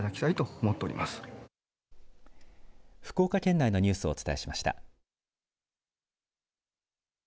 福岡県内のニュースをお伝えしました。